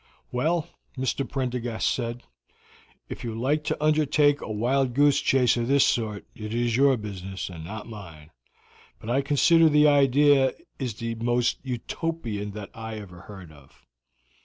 "Well," Mr. Prendergast said, "if you like to undertake a wild goose chase of this sort it is your business, and not mine; but I consider the idea is the most Utopian that I ever heard of.